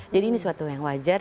jadi ini suatu yang wajar